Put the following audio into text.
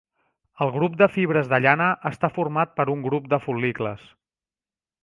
El grup de fibres de llana està format per un grup de fol·licles.